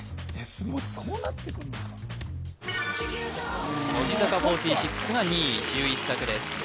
すごいそうなってくるのか乃木坂４６が２位１１作です